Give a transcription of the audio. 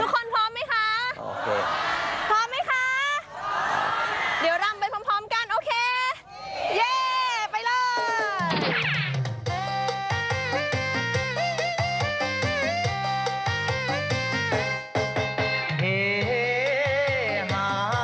ทุกคนพร้อมไหมคะ